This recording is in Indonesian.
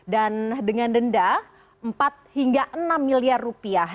dengan denda empat hingga enam miliar rupiah